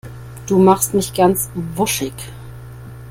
Du machst mich ganz wuschig.